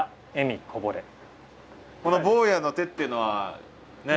この「坊やの手」っていうのはねえ？